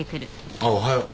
あっおはよう。